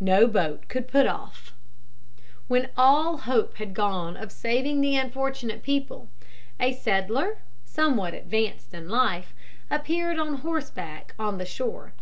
No boat could put off. When all hope had gone of saving the unfortunate people, a settler, somewhat advanced in life, appeared on horseback on the shore.